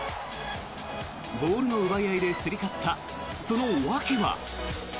ボールの奪い合いで競り勝ったその訳は。